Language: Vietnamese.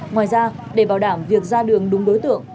ngoài ra để bảo đảm việc ra đường đúng đối tượng